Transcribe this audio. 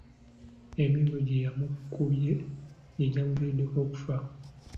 Emiggo gye yamukubye gye gyamuviiriddeko okufa.